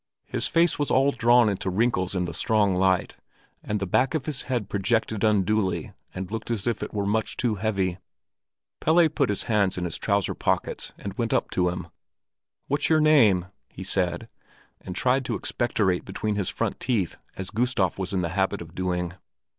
His face was all drawn into wrinkles in the strong light, and the back of his head projected unduly and looked as if it were much too heavy. Pelle put his hands in his trouser pockets and went up to him. "What's your name?" he said, and tried to expectorate between his front teeth as Gustav was in the habit of doing.